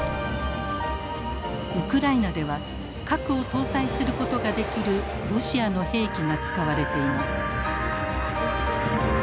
ウクライナでは核を搭載することができるロシアの兵器が使われています。